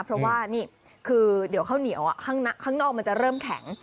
เพราะว่านี่คือเดี๋ยวข้าวเหนียวข้างนอกมันจะเริ่มแข็ง